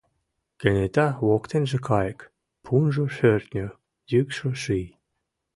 Кенета — воктенже кайык, Пунжо шӧртньӧ, йӱкшӧ ший.